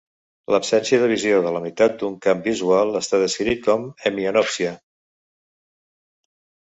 L'absència de visió de la meitat d'un camp visual està descrit com a "hemianopsia".